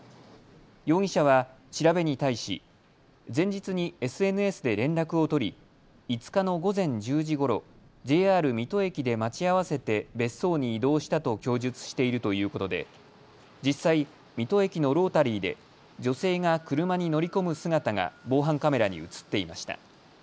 容疑者は調べに対し前日にＳＮＳで連絡を取り５日の午前１０時ごろＪＲ水戸駅で待ち合わせて別荘に移動したと供述しているということで実際、水戸駅のロータリーで女性が車に乗り込む姿が防犯カメラに写っていました。